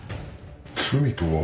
罪とは？